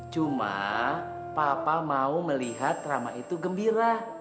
cuma papa mau melihat rama itu gembira